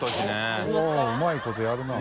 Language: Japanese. うまいことやるな。